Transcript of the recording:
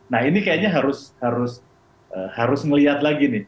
nah ini kayaknya harus ngelihat lagi nih